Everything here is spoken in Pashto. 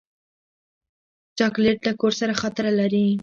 چاکلېټ له کور سره خاطره لري.